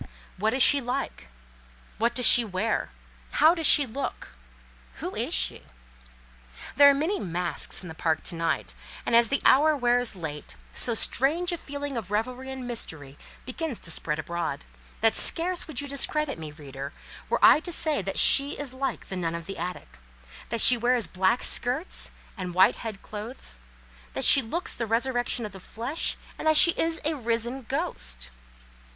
What is she like? What does she wear? How does she look? Who is she? There are many masks in the park to night, and as the hour wears late, so strange a feeling of revelry and mystery begins to spread abroad, that scarce would you discredit me, reader, were I to say that she is like the nun of the attic, that she wears black skirts and white head clothes, that she looks the resurrection of the flesh, and that she is a risen ghost.